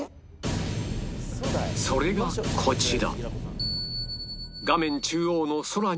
それがこちら